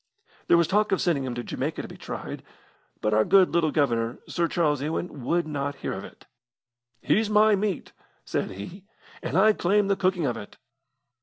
There was talk of sending him to Jamaica to be tried, but our good little Governor, Sir Charles Ewan, would not hear of it. 'He's my meat,' said he, 'and I claim the cooking of it.'